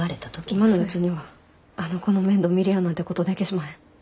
今のうちにはあの子の面倒見るやなんてことでけしまへん。